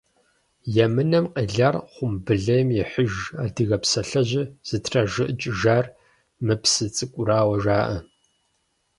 «Емынэм къелар хъумбылейм ехьыж» адыгэ псалъэжьыр зытражыӀыкӀыжар мы псы цӀыкӀурауэ жаӀэ.